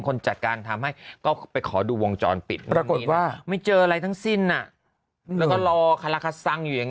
คนจัดการทำให้ก็ไปขอดูวงจรปิดปรากฏว่าไม่เจออะไรทั้งสิ้นแล้วก็รอคาราคาซังอยู่อย่าง